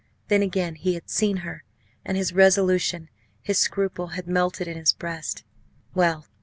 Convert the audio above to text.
Then, again, he had seen her and his resolution, his scruple, had melted in his breast! Well!